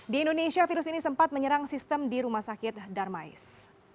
di indonesia virus ini sempat menyerang sistem di rumah sakit darmais